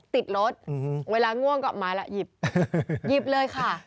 ติดรถเวลาง่วงก็มาแล้วหยิบหยิบเลยค่ะ